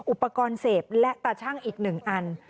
อุปกรณ์เสพและตาชั่งอีก๑อัน